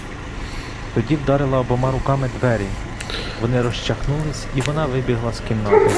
Тоді вдарила обома руками двері, вони розчахнулись, і вона вибігла з кімнати.